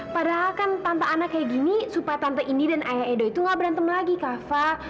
padahal kan tante anak kayak gini supaya tante ini dan ayah edo itu gak berantem lagi kava